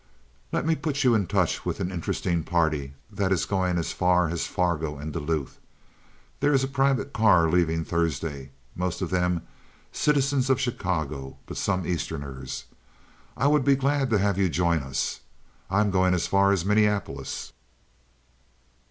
"Let me put you in touch with an interesting party that is going as far as Fargo and Duluth. There is a private car leaving Thursday, most of them citizens of Chicago, but some Easterners. I would be glad to have you join us. I am going as far as Minneapolis."